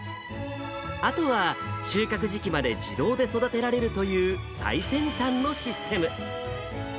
あとは、収穫時期まで自動で育てられるという最先端のシステム。